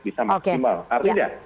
bisa maksimal artinya